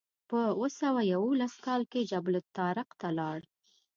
په اوه سوه یوولس کال کې جبل الطارق ته لاړ.